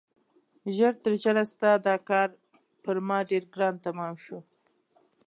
ژر تر ژره ستا دا کار پر ما ډېر ګران تمام شو.